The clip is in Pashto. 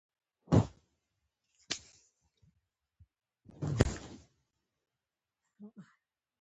کېچ نیول د فیلډر له پاره ویاړ دئ.